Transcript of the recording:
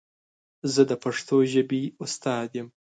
زه د پښتو ژبې استاد یم.